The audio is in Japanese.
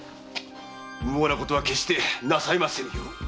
無謀なことは決してなさいませぬように。